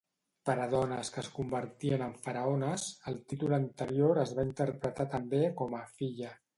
Per a dones que es convertien en faraones, el títol anterior es va interpretar també com a "filla".